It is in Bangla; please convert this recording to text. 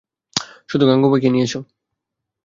শুধু গাঙুবাইকে নিয়ে এসো।